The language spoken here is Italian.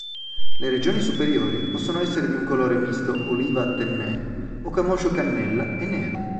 Le regioni superiori possono essere di un colore misto oliva-tenné o camoscio-cannella e nero.